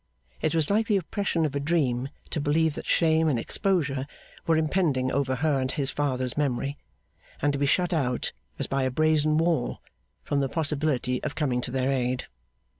It was like the oppression of a dream to believe that shame and exposure were impending over her and his father's memory, and to be shut out, as by a brazen wall, from the possibility of coming to their aid.